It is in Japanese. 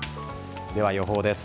では、予報です。